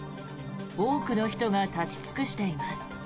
多くの人が立ち尽くしています。